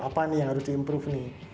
apa nih yang harus di improve nih